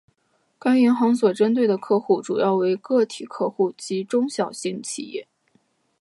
该银行所针对的客户主要为个体客户及中小企业。